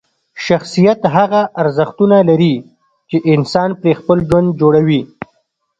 شخصیت هغه ارزښتونه لري چې انسان پرې خپل ژوند جوړوي.